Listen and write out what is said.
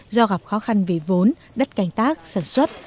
do gặp khó khăn về vốn đất canh tác sản xuất